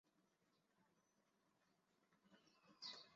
在小堂的地下室内有惩罚及酷刑用的刑具展览。